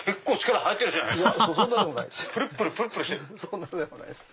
そんなことないです。